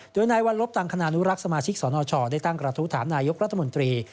โดยนายวัลลบตังคณานุรักษ์สมาชิกสนชได้ตั้งกระทู้ถามนายกรัฐมนตรี